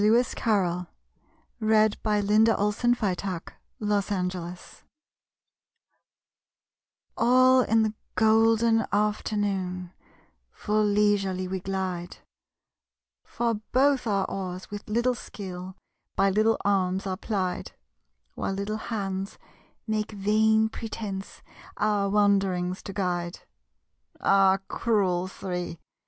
M N . O P . Q R . S T . U V . W X . Y Z Prologue to Alice ALL in the golden afternoon Full leisurely we glide; For both our oars, with little skill, By little arms are plied, While little hands make vain pretence Our wanderings to guide. Ah, cruel Three!